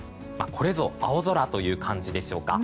これぞ青空！という感じでしょうか。